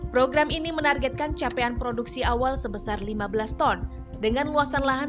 program ini menargetkan capaian produksi awal sebesar lima belas ton dengan luasan lahan